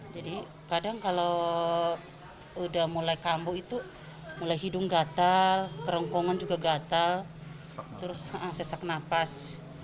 jadi kadang kalau udah mulai kambuk itu mulai hidung gatal kerongkongan juga gatal terus sesak nafas